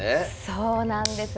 そうなんです。